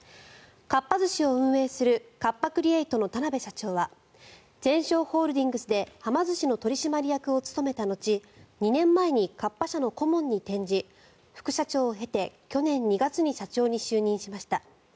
かっぱ寿司を運営するカッパ・クリエイトの田邊社長はゼンショーホールディングスではま寿司の取締役を務めた後２年前にかっぱ寿司の顧問に就任し副社長を経て去年２月に社長に就任しました。